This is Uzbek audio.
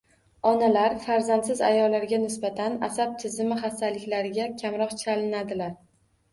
Onalar farzandsiz ayollarga nisbatan asab tizimi xastaliklariga kamroq chalinadilar.